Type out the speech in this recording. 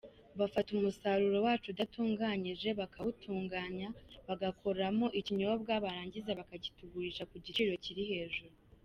Bafata umusaruro wacu udatunganyije, bakawutunganya, bagakoramo ikinyobwa barangiza bakakitugurisha ku giciro kiri hejuru.